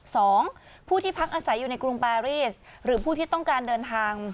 สองผู้ที่พักอาศัยอยู่ในกรุงปารีสหรือผู้ที่ต้องการเดินทาง